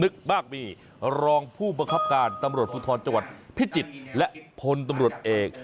นึกมากมีรองผู้บังคับการตำรวจภูทรจังหวัดพิจิตรและพลตำรวจเอก